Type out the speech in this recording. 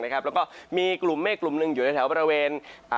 แล้วก็มีกลุ่มเม็ดกลุ่มหนึ่งอยู่แถวบิน